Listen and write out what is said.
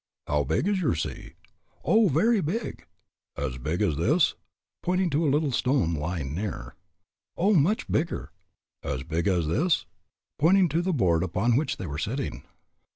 "How big is your sea?" "Oh, very big." "As big as this?" pointing to a little stone lying near. "Oh, much bigger." "As big as this?" pointing to the board upon which they were sitting.